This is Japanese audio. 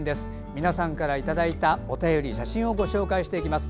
皆さんからいただいたお便り写真をご紹介していきます。